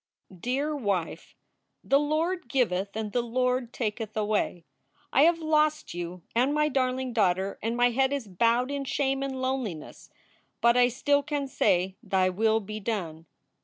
DEAR WIFE, The Lord giveth and the Lord taketh away. I have lost you and my darling daughter and my head is bowed in shame and loneliness, but I still can say, "Thy will be done."